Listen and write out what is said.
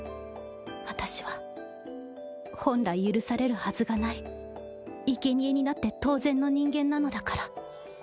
私は本来許されるはずがない生け贄になって当然の人間なのだから。